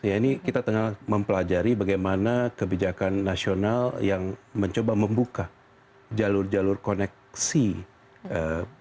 ini kita tengah mempelajari bagaimana kebijakan nasional yang mencoba membuka jalur jalur koneksi perdagangan transportasi dan sebagainya